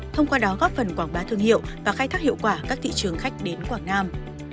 thông qua đó góp phần quảng bá thương hiệu và khai thác hiệu quả các thị trường khách đến quảng nam